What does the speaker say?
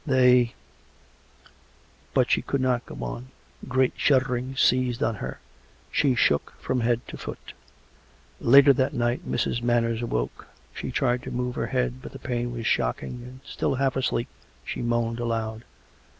They " But she could not go on. Great shuddering seized on her; she shook from head to foot. ... Later that night Mrs. Manners awoke. She tried to move her head, but the pain was shocking, and still half asleep, she moaned aloud.